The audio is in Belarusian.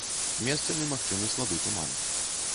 Месцамі магчымы слабы туман.